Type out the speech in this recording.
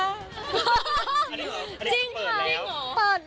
อันนี้เหรออันนี้เปิดแล้วจริงค่ะ